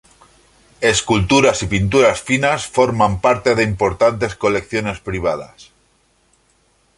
Esculturas y pinturas finas, forman parte de importantes colecciones privadas.